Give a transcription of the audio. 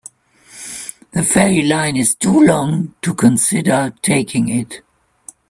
The ferry line is too long to consider taking it.